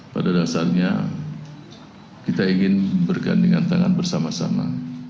pada dasarnya kita ingin bergandingan tangan bersama sama